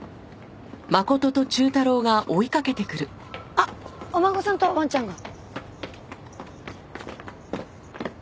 あっお孫さんとわんちゃんが。